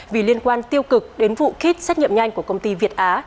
vì liên quan tiêu cực đến vụ kit xét nghiệm nhanh của công ty việt á